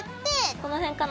この辺かな？